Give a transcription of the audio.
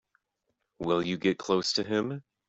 Will you get close to him?